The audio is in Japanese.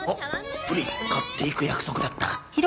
あっプリン買っていく約束だった